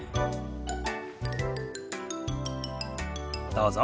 どうぞ。